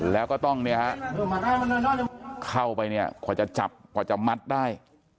แล้วก็ต้องเนี่ยฮะเข้าไปเนี่ยกว่าจะจับกว่าจะมัดได้